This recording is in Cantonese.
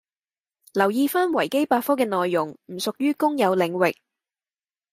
留意返維基百科嘅內容唔屬於公有領域